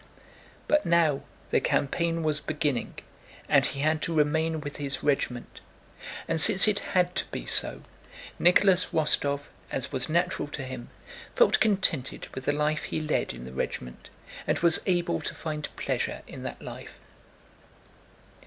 But now the campaign was beginning, and he had to remain with his regiment. And since it had to be so, Nicholas Rostóv, as was natural to him, felt contented with the life he led in the regiment and was able to find pleasure in that life.